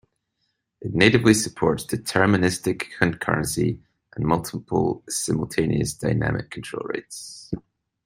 It natively supports deterministic concurrency and multiple, simultaneous, dynamic control rates.